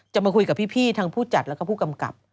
มาคุยกับพี่ทั้งผู้จัดแล้วก็ผู้กำกับ